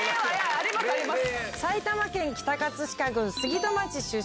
ありますあります。